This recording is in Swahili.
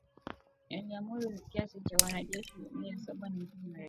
aliamuru kiasi cha wanajeshi mia saba na hamsini wa Marekani